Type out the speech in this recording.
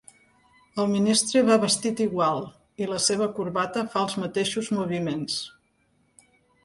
El ministre va vestit igual i la seva corbata fa els mateixos moviments.